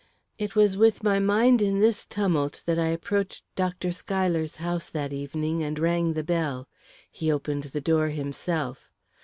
It was with my mind in this tumult that I approached Dr. Schuyler's house, that evening, and rang the bell. He opened the door himself.